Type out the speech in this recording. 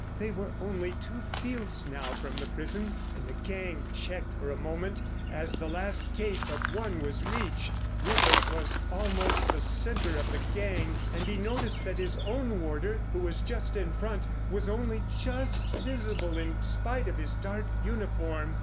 They were only two fields now from the prison, and the gang checked for a moment as the last gate but one was reached. Rupert was almost the centre of the gang, and he noticed that his own warder, who was just in front, was only just visible in spite of his dark uniform.